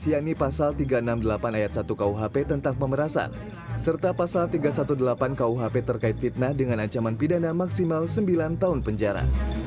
yakni pasal tiga ratus enam puluh delapan ayat satu kuhp tentang pemerasan serta pasal tiga ratus delapan belas kuhp terkait fitnah dengan ancaman pidana maksimal sembilan tahun penjara